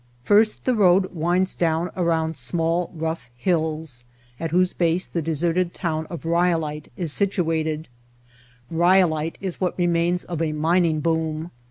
First the road winds down around small, rough hills, at whose base the deserted town of Ryolite is situated, Ryolite is what remains of a mining boom.